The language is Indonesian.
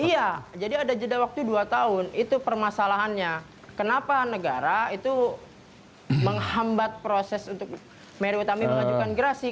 iya jadi ada jeda waktu dua tahun itu permasalahannya kenapa negara itu menghambat proses untuk mary utami mengajukan gerasi